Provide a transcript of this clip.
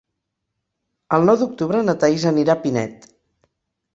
El nou d'octubre na Thaís anirà a Pinet.